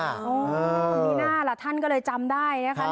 หน้าละท่านก็เลยจำได้นะฮะ